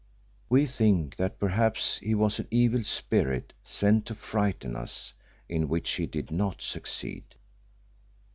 We think that perhaps he was an evil spirit sent to frighten us, in which he did not succeed."